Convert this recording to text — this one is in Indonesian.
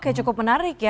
oke cukup menarik ya